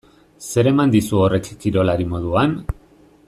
Zer eman dizu horrek kirolari moduan?